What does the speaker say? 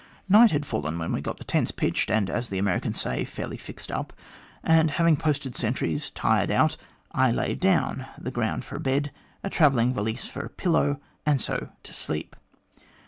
Night had fallen when we had got tents pitched, and, as the Americans say, 'fairly fixed up,' and having posted sentries, tired out, I lay down, the ground for a bed, a travelling valise for a pillow, and so to sleep.